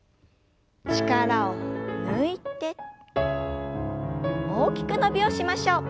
力を抜いて大きく伸びをしましょう。